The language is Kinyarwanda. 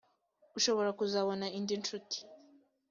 ushobora kuzabona indi ncuti